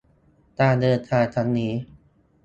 การเดินทางครั้งนี้